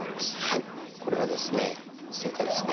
はいこれはですね正解ですね。